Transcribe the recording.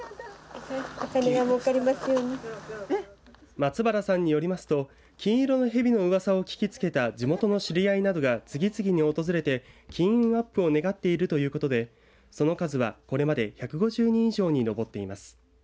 松原さんによりますと金色のヘビのうわさを聞きつけた地元の知り合いなどが次々に訪れて金運アップを願っているということでその数はこれまで１５０人以上に上っています。